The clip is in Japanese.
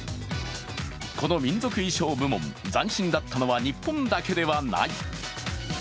この民族衣装部門、斬新だったのは日本だけではない。